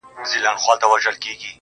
اوس مي تعويذ له ډېره خروښه چاودي.